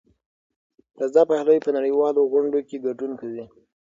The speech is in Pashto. رضا پهلوي په نړیوالو غونډو کې ګډون کوي.